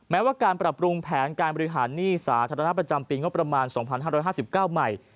แม้ว่าการปรับปรุงแผนการบริหารหนี้สาธารณะประจำปีงบประมาณ๒๕๕๙ใหม่